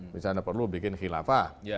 misalnya perlu bikin khilafah